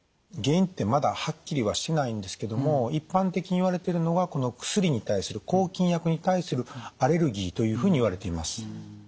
原因ってまだはっきりはしてないんですけども一般的にいわれてるのが薬に対する抗菌薬に対するアレルギーというふうにいわれています。